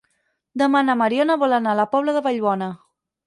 Demà na Mariona vol anar a la Pobla de Vallbona.